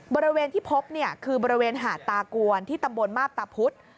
บริเวณที่พบเนี่ยคือบริเวณหาดตากวนที่ตำบลมาบตาพุธ